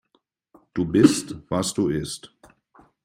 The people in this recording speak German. Du bist, was du isst.